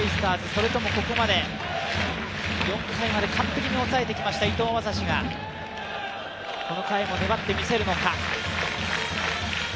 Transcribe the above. それとも、ここまで４回まで完璧に抑えてきました伊藤将司がこの回も粘ってみせるのか。